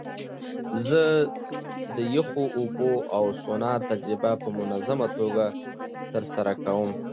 زه د یخو اوبو او سونا تجربه په منظمه توګه ترسره کوم.